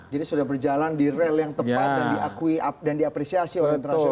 jadi sudah berjalan di rel yang tepat dan diakui dan diapresiasi oleh internasional